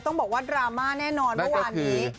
ต้องบอกว่าดราม่าแน่นอนเมื่อวานนี้